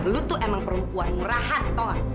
lu tuh emang perempuan murahan tongan